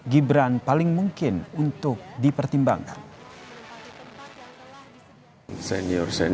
gibran paling mungkin untuk dipertimbangkan